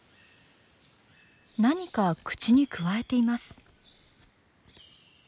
なにか口にくわえています。